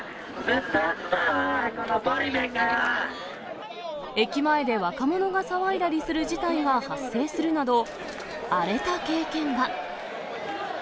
ぶっ飛ばすぞ、駅前で若者が騒いだりする事態が発生するなど、荒れた経験が。